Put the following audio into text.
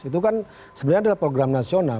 itu kan sebenarnya adalah program nasional